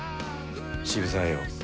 渋沢よ。